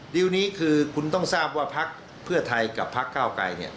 ดีลนี้คือคุณต้องทราบว่าพักเพื่อไทยกับพักเก้าไกร